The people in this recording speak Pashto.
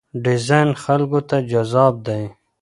ډیزاین خلکو ته جذاب دی.